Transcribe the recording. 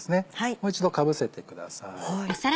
もう一度かぶせてください。